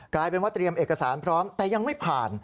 กลายเป็นว่าเตรียมเอกสารพร้อมแต่ยังไม่ผ่าน